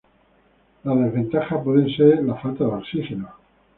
La desventaja puede ser la falta de oxígeno.